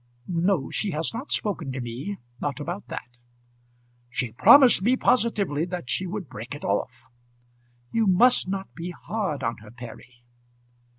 "No; she has not spoken to me; not about that." "She promised me positively that she would break it off." "You must not be hard on her, Perry."